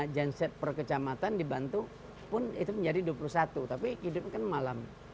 konsep perkecamatan dibantu pun itu menjadi dua puluh satu tapi hidup kan malam